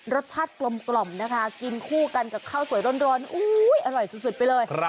รสชาติกลมนะคะกินคู่กันกับข้าวสวยร้อนอร่อยสุดไปเลย